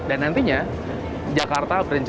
dan nantinya jakarta berencana